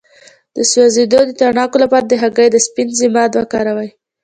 د سوځیدو د تڼاکو لپاره د هګۍ د سپین ضماد وکاروئ